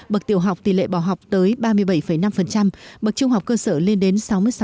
bậc tiểu học tỷ lệ bỏ học tới ba mươi bảy năm bậc trung học cơ sở lên đến sáu mươi sáu